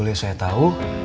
itu helmnya mah